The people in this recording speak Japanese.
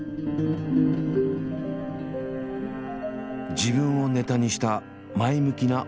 自分をネタにした前向きな老いの姿。